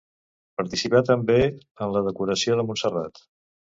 Participà també en la decoració de Montserrat.